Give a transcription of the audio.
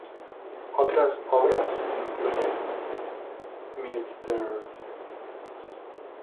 Otras obras incluyen "Mrs.